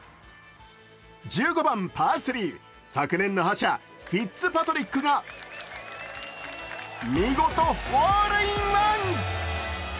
１５番パー３、昨年の覇者フィッツパトリックが見事、ホールインワン。